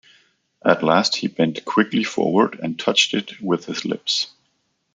At last he bent quickly forward and touched it with his lips.